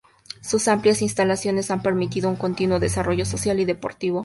Sus amplias instalaciones han permitido un continuo desarrollo social y deportivo.